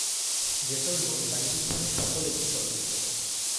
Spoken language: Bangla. জেসন বোর্ন বাণিজ্যিকভাবে সফল একটি চলচ্চিত্র।